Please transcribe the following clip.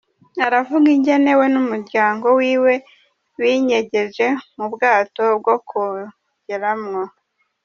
Aravuga ingene we n'umuryango wiwe binyegeje mu bwato bwo kwogeramwo.